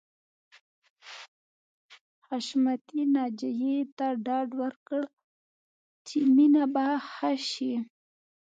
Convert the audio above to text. حشمتي ناجیې ته ډاډ ورکړ چې مينه به ښه شي